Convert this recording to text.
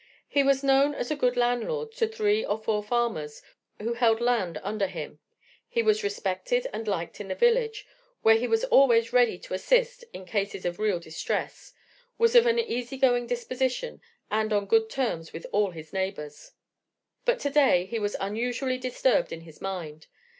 He was known as a good landlord to the three or four farmers who held land under him; was respected and liked in the village, where he was always ready to assist in cases of real distress; was of an easygoing disposition and on good terms with all his neighbors. But today he was unusually disturbed in his mind.